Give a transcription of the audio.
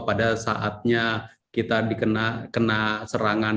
pada saatnya kita dikena serangan